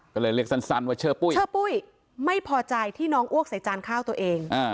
ก็เลยเรียกสั้นว่าเชื่อปุ้ยเชื่อปุ้ยไม่พอใจที่น้องอ้วกใส่จานข้าวตัวเอง